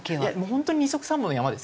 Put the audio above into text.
本当に二束三文の山ですよ。